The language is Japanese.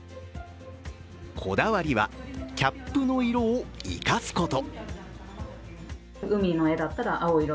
こだわりは、キャップの色を生かすこと。